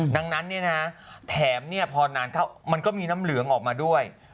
ดังนั้นเนี่ยนะแถมเนี่ยพอนานเข้ามันก็มีน้ำเหลืองออกมาด้วย